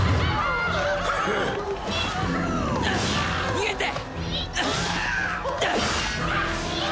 逃げて！